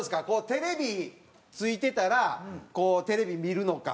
テレビついてたらこうテレビ見るのか？